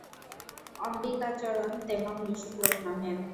অম্বিকাচরণ তেমন মিশুক লোক নহেন।